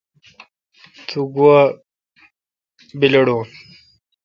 تو گوا بیلڑون۔